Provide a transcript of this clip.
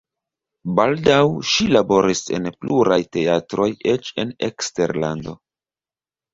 Baldaŭ ŝi laboris en pluraj teatroj eĉ en eksterlando.